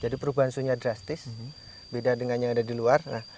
jadi perubahan sunya drastis beda dengan yang ada di luar